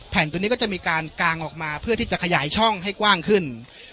ตัวนี้ก็จะมีการกางออกมาเพื่อที่จะขยายช่องให้กว้างขึ้น